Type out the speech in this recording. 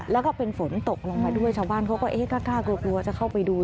แล้วก็เป็นฝนตกลงมาด้วยชาวบ้านเขาก็เอ๊ะกล้ากลัวกลัวจะเข้าไปดู